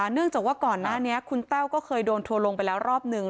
เนื่องจากว่าก่อนหน้านี้คุณแต้วก็เคยโดนทัวร์ลงไปแล้วรอบนึง